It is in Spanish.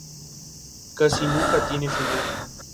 Casi nunca tiene final.